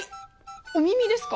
「お耳」ですか？